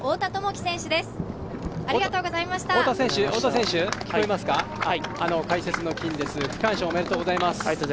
太田選手、解説の金です、区間賞おめでとうございます。